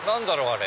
あれ。